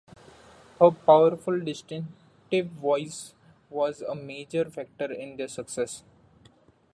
Her powerful, distinctive voice was a major factor in their success.